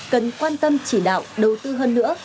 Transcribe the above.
cần quan tâm chỉ đạo đầu tư hơn nữa